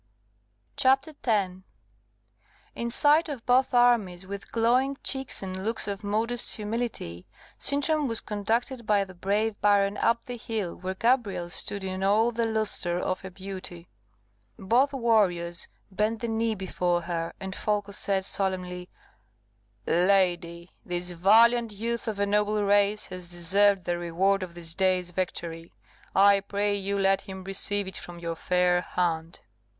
CHAPTER 10 In sight of both armies, with glowing cheeks and looks of modest humility, Sintram was conducted by the brave baron up the hill where Gabrielle stood in all the lustre of her beauty. Both warriors bent the knee before her, and Folko said, solemnly, "Lady, this valiant youth of a noble race has deserved the reward of this day's victory. I pray you let him receive it from your fair hand."